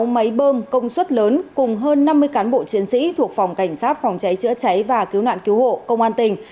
sáu máy bơm công suất lớn cùng hơn năm mươi cán bộ chiến sĩ thuộc phòng cảnh sát phòng cháy chữa cháy và cứu nạn cứu hộ công an tỉnh